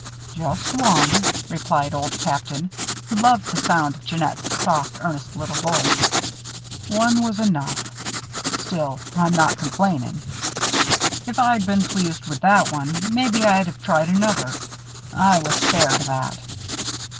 "Just one," replied Old Captain, who loved the sound of Jeannette's soft, earnest little voice. "One were enough. Still, I'm not complainin'. If I'd been real pleased with that one, maybe I'd have tried another. I was spared that."